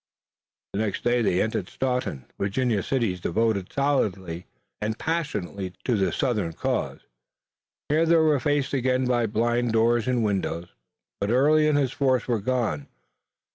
The next day they entered Staunton, another of the neat little Virginia cities devoted solidly and passionately to the Southern cause. Here, they were faced again by blind doors and windows, but Early and his force were gone.